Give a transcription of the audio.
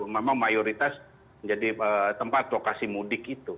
memang mayoritas menjadi tempat lokasi mudik itu